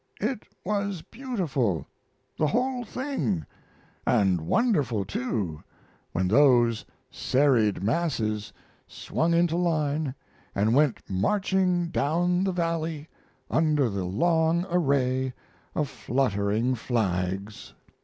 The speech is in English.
It was beautiful the whole thing; and wonderful, too, when those serried masses swung into line and went marching down the valley under the long array of fluttering flags.